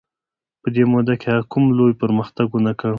په دې موده کې هغه کوم لوی پرمختګ ونه کړ.